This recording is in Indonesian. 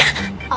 eh kak sabri